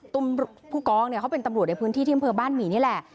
ผู้กองเนี่ยเขาเป็นตำรวจในพื้นที่ที่อำเภอบ้านหมี่นี่แหละ